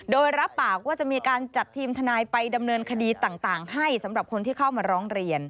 โดยรับปากว่าจะมีการจัดทีมทนายไปดำเนินคดีต่างให้สำหรับคนที่เข้ามาร้องเรียน